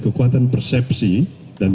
kekuatan persepsi dan